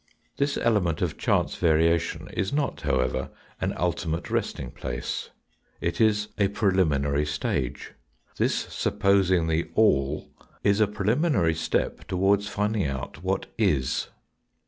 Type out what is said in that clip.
This element of chance variation is not, however, an ultimate resting place. It is a preliminary stage. This supposing the all is a preliminary step towards finding out what is.